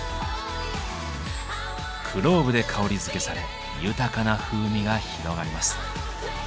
クローブで香りづけされ豊かな風味が広がります。